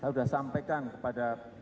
saya sudah sampaikan kepada